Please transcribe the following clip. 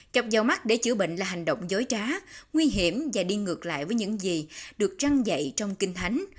chọc dao mắt để chữa bệnh là hành động dối trá nguy hiểm và đi ngược lại với những gì được trăng dậy trong kinh thánh